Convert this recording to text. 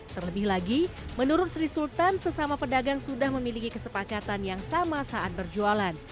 terlebih lagi menurut sri sultan sesama pedagang sudah memiliki kesepakatan yang sama saat berjualan